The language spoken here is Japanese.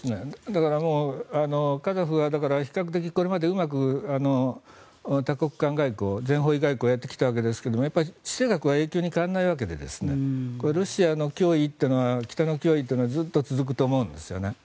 だからもう、カザフは比較的これまでうまく多国間外交全方位外交をやってきたわけですが地政学は永久に変わらないわけでロシアの脅威というのは北の脅威というのはずっと続くと思うんですね。